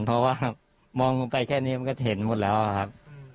เพราะว่ามองลงไปแค่นี้มันก็เห็นหมดแล้วครับ